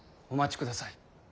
お待ちください。